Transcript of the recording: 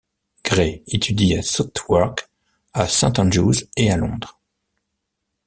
Gray étudie à Southwark, à Saint Andrews et à Londres.